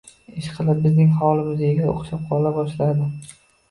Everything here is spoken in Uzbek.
Ishqilib, bizning hovli muzeyga o‘xshab qola boshladi.